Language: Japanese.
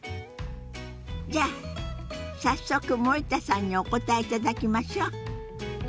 じゃあ早速森田さんにお答えいただきましょう。